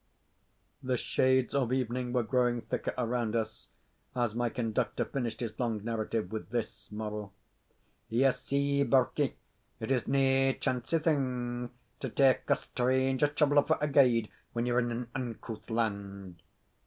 The shades of evening were growing thicker around us as my conductor finished his long narrative with this moral: "You see, birkie, it is nae chancy thing to tak' a stranger traveller for a guide when you are in an uncouth land."